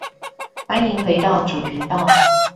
歡迎回到主頻道